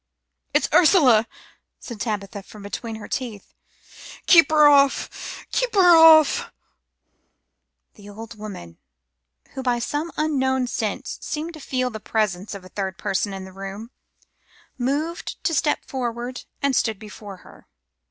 "It's Ursula," said Tabitha from between her teeth. "Keep her off! Keep her off!" The old woman, who by some unknown sense seemed to feel the presence of a third person in the room, moved a step forward and stood before her.